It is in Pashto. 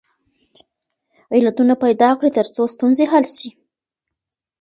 علتونه پیدا کړئ ترڅو ستونزې حل سي.